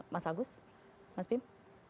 pak agus mas bin